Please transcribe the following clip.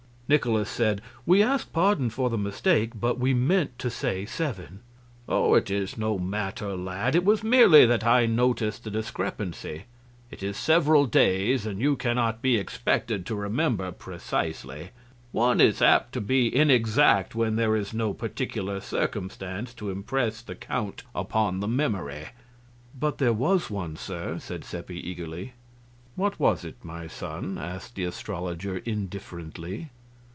Nikolaus said, "We ask pardon for the mistake, but we meant to say seven." "Oh, it is no matter, lad; it was merely that I noticed the discrepancy. It is several days, and you cannot be expected to remember precisely. One is apt to be inexact when there is no particular circumstance to impress the count upon the memory." "But there was one, sir," said Seppi, eagerly. "What was it, my son?" asked the astrologer, indifferently.